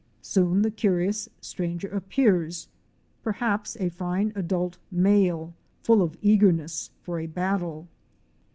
Soon the curious stranger appears, per haps a fine adult male, full of eagerness for a battle.